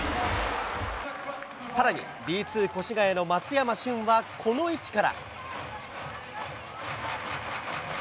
さらにＢ２・越谷の松山駿はこの位置から。